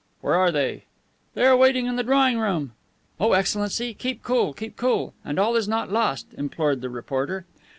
"Where are they?" "They are waiting in the drawing room." "Oh, Excellency, keep cool, keep cool, and all is not lost," implored the reporter.